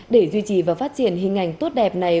để duy trì và phát triển hình ảnh tốt đẹp này